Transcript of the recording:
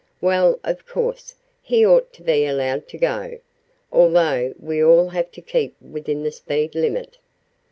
"Well, of course, he ought to be allowed to go although we all have to keep within the speed limit."